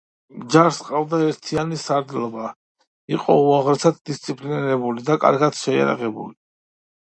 ჯარს ჰყავდა ერთიანი სარდლობა, იყო უაღრესად დისციპლინირებული და კარგად შეიარაღებული.